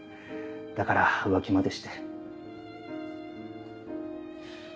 だから浮気までして。